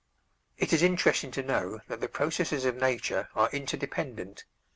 It is interesting to know that the processes of nature are interdependent.